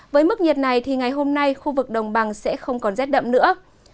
với mức nhiệt này thì ngày hôm nay khu vực đồng bằng sẽ không còn rét đậm nữa